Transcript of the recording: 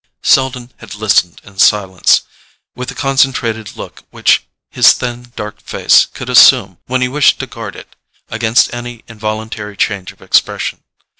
Selden had listened in silence, with the concentrated look which his thin dark face could assume when he wished to guard it against any involuntary change of expression.